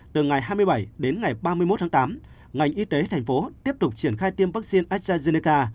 từ ngày hai mươi bảy đến ngày ba mươi một tháng tám ngành y tế thành phố tiếp tục triển khai tiêm vaccine astrazeneca